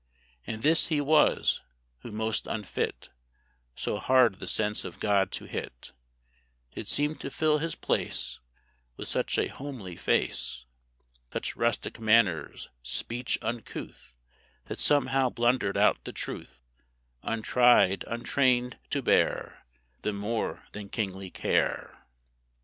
And this he was, who most unfit (So hard the sense of God to hit) Did seem to fill his place; With such a homely face, Such rustic manners, speech uncouth (That somehow blundered out the truth), Untried, untrained to bear The more than kingly care.